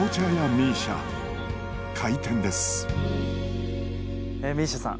ＭＩＳＩＡさん